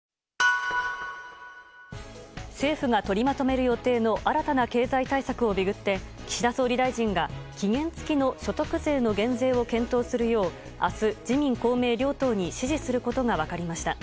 政府が取りまとめる予定の新たな経済対策を巡って岸田総理大臣が期限付きの所得税の減税を検討するよう明日、自民・公明両党に指示することが分かりました。